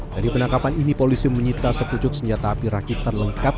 dari penangkapan ini polisi menyita sepucuk senjata api rakitan lengkap